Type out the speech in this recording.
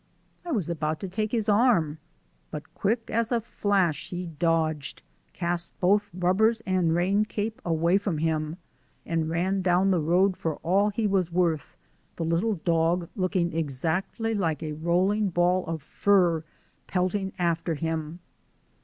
I was about to take his arm, but quick as a flash he dodged, cast both rubbers and rain cape away from him, and ran down the road for all he was worth, the little dog, looking exactly like a rolling ball of fur, pelting after him.